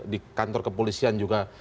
di kantor kepolisian juga